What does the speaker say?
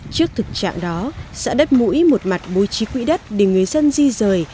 trước thực trạng đó xã đất mũi một mặt bố trí quỹ đất để người dân di rời